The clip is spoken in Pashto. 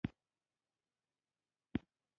نو څه به وشي ؟